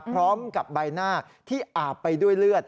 พร้อมกับใบหน้าที่อาบไปด้วยเลือด